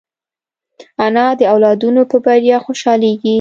انا د اولادونو په بریا خوشحالېږي